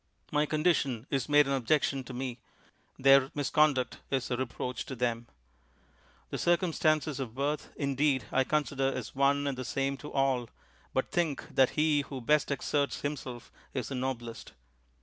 My condition is made an objection to me; their misconduct is a reproach to them. The circumstances of birth, indeed, I consider as one and the same to all ; but think that he who best exerts himself is the noblest.